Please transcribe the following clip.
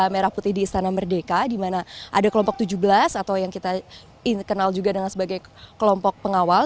merah putih di istana merdeka di mana ada kelompok tujuh belas atau yang kita kenal juga dengan sebagai kelompok pengawal